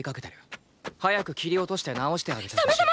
早く切り落として治してあげてほしい。